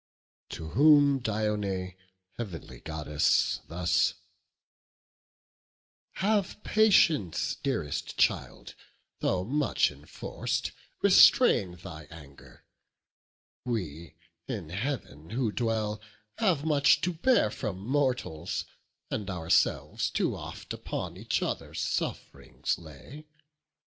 To whom Dione, heav'nly Goddess, thus: "Have patience, dearest child; though much enforc'd, Restrain thine anger: we, in Heav'n who dwell, Have much to bear from mortals; and ourselves Too oft upon each other suff'rings lay.